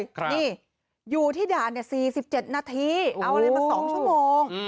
นี่อยู่ที่ด่าน๔๗นาทีเอาอะไรมา๒ชั่วโมง